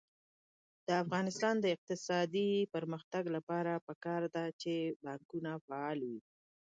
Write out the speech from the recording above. د افغانستان د اقتصادي پرمختګ لپاره پکار ده چې بانکونه فعال وي.